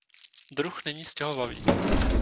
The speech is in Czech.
Druh není stěhovavý.